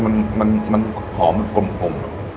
มันหอมน้ำมันกลม